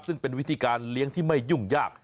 ซึ่งเป็นวิธีการเลี้ยงที่ไม่ยุ่งยาก